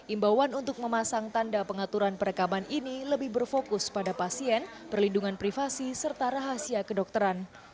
imbauan untuk memasang tanda pengaturan perekaman ini lebih berfokus pada pasien perlindungan privasi serta rahasia kedokteran